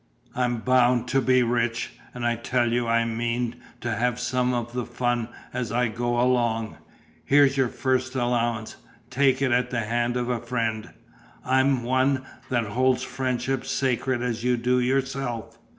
"I'm bound to be rich; and I tell you I mean to have some of the fun as I go along. Here's your first allowance; take it at the hand of a friend; I'm one that holds friendship sacred as you do yourself.